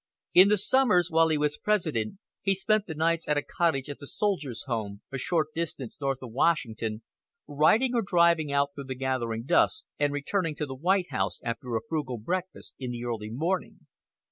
In the summers, while he was President, he spent the nights at a cottage at the Soldiers' Home, a short distance north of Washington, riding or driving out through the gathering dusk, and returning to the White House after a frugal breakfast in the early morning.